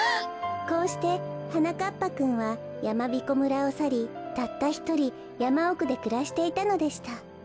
こうしてはなかっぱくんはやまびこ村をさりたったひとりやまおくでくらしていたのでした。